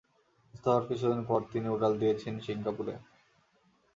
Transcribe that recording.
সুস্থ হওয়ার কিছুদিন পর তিনি উড়াল দিয়েছেন সিঙ্গাপুরে।